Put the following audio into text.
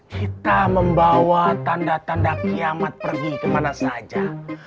kita membawa tanda tanda kiamat pergi kemana saja